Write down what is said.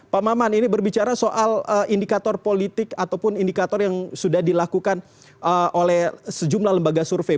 pak maman ini berbicara soal indikator politik ataupun indikator yang sudah dilakukan oleh sejumlah lembaga survei